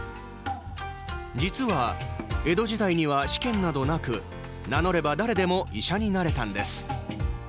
実は江戸時代には試験などなく名乗れば誰でも医者になれたんです。